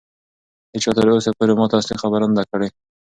هیچا تر اوسه پورې ماته اصلي خبره نه ده کړې.